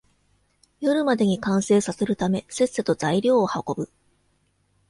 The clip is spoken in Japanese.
夜までに完成させるため、せっせと材料を運ぶ